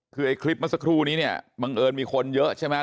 คือไอ้คลิปเมื่อสักครู่นี้เนี่ยบังเอิญมีคนเยอะใช่ไหม